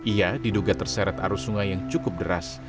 ia diduga terseret arus sungai yang cukup deras